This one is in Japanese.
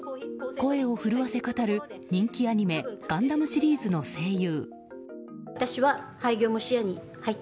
声を震わせ語る人気アニメ「ガンダム」シリーズの声優。